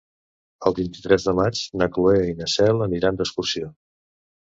El vint-i-tres de maig na Cloè i na Cel aniran d'excursió.